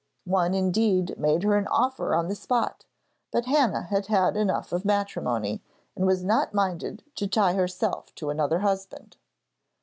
One, indeed, made her an offer on the spot; but Hannah had had enough of matrimony, and was not minded to tie herself to another husband.